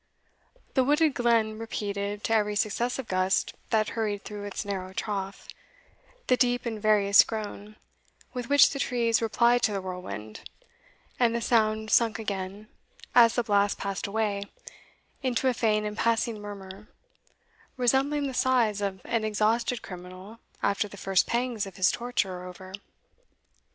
The wooded glen repeated, to every successive gust that hurried through its narrow trough, the deep and various groan with which the trees replied to the whirlwind, and the sound sunk again, as the blast passed away, into a faint and passing murmur, resembling the sighs of an exhausted criminal after the first pangs of his torture are over.